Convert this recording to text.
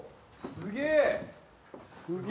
すげえ！